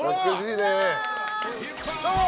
どうも。